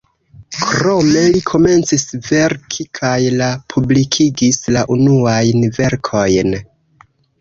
Krome li komencis verki kaj la publikigis la unuajn verkojn.